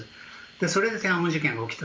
それで天安門事件が起きた。